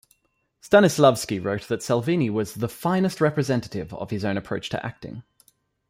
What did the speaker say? Stanislavski wrote that Salvini was the "finest representative" of his own approach to acting.